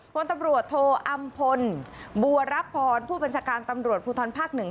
พลตำรวจโทอำพลบัวรับพรผู้บัญชาการตำรวจภูทรภาค๑